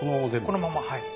このままはい。